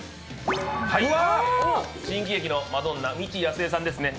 新喜劇のマドンナ・未知やすえさんですね。